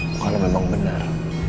bukannya memang benar